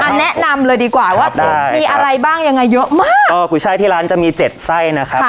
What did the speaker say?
แนะนำเลยดีกว่าว่ามีอะไรบ้างยังไงเยอะมากเออกุ้ยช่ายที่ร้านจะมีเจ็ดไส้นะครับ